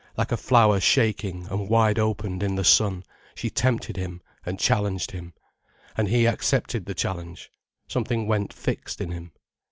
Like a flower shaking and wide opened in the sun, she tempted him and challenged him, and he accepted the challenge, something went fixed in him.